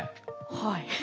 はい。